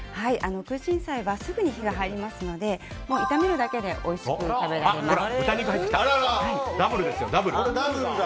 空心菜はすぐに火が入りますので炒めるだけでおいしく食べれます。